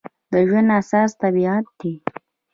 د ژوند اساس طبیعت دی.